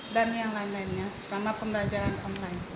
dan yang lain lainnya selama pembelajaran online